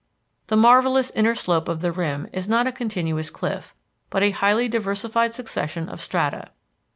The marvellous inner slope of the rim is not a continuous cliff, but a highly diversified succession of strata.